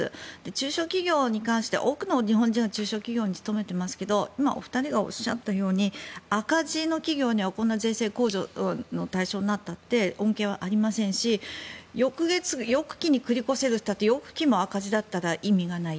中小企業に関しては多くの日本人が中小企業に勤めていますが今、お二人がおっしゃったように赤字の企業にはこんな税制控除の対象になったって恩恵はありませんし翌期に繰り越せるといっても翌期も赤字だったら意味がない。